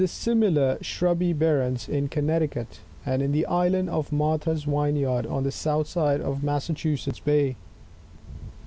similar shrubby barrens in Connecticut, and in the Island of Martha's Vineyard, on the south side of Massachusetts Bay.